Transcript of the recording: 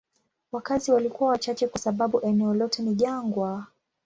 Wakazi walikuwa wachache kwa sababu eneo lote ni jangwa.